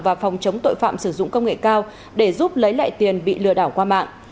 và phòng chống tội phạm sử dụng công nghệ cao để giúp lấy lại tiền bị lừa đảo qua mạng